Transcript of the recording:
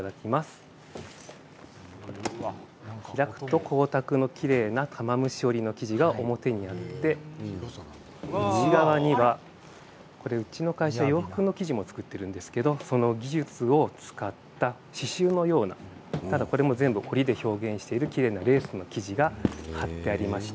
開くと光沢のきれいな玉虫織りの生地が表になって内側にはうちの会社は洋服の生地も作っているんですがその技術を使った刺しゅうのようなこれもすべて織りで表現しているきれいなレースの生地が張ってあります。